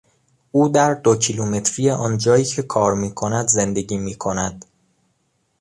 او در دو کیلومتری آنجایی که کار میکند زندگی میکند.